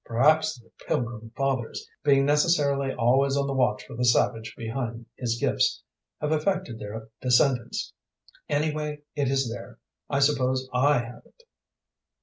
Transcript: Perhaps the Pilgrim Fathers', being necessarily always on the watch for the savage behind his gifts, have affected their descendants. Anyway, it is there. I suppose I have it."